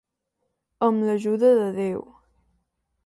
Amb l'ajuda de Déu.